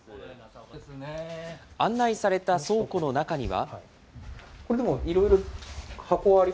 案内された倉庫の中には。